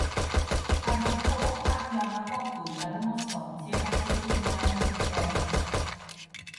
Aeth yr holl arian a godwyd ar y noson tuag at ei filiau meddygol.